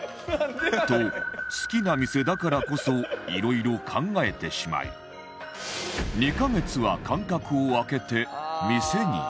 と好きな店だからこそいろいろ考えてしまい２カ月は間隔を空けて店に行く